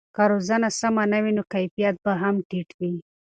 که روزنه سمه نه وي نو کیفیت به هم ټیټ وي.